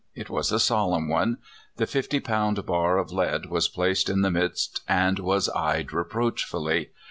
It was a solemn one. The fifty pound bar of lead was placed in the midst, and was eyed reproach fully.